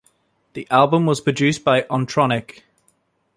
The album was produced by Ontronik.